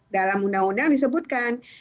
dalam undang undang disebutkan